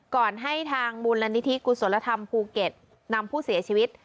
ก่อนให้ทางมูลนิธิกุศลธรรมภูเก็ตนำผู้เสียชีวิต